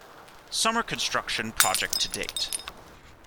Summer construction project to date.